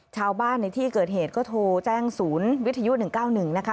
ชาวบ้านในที่เกิดเหตุก็โทรแจ้งศูนย์วิทยุ๑๙๑นะคะ